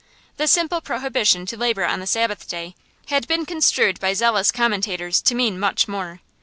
The simple prohibition to labor on the Sabbath day had been construed by zealous commentators to mean much more.